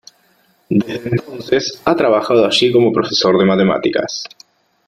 Desde entonces ha trabajado allí como profesor de matemáticas.